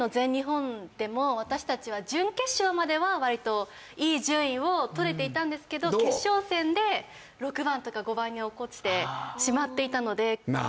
私達は準決勝までは割といい順位を取れていたんですけど決勝戦で６番とか５番に落っこちてしまっていたのでまあ